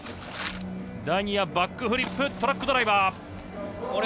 第２エア、バックフリップトラックドライバー。